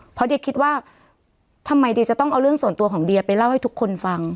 เพราะเดียคิดว่าทำไมเดียจะต้องเอาเรื่องส่วนตัวของเดียไปเล่าให้ทุกคนฟัง